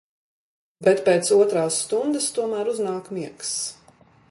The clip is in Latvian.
Bet pēc otrās stundas tomēr uznāk miegs.